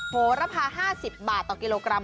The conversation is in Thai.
โหระพา๕๐บาทต่อกิโลกรัม